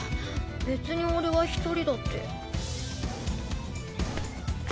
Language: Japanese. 別に俺は一人だって。